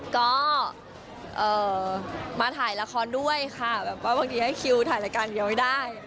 ก็มาถ่ายละครด้วยค่ะแบบว่าบางทีให้คิวถ่ายรายการเดียวให้ได้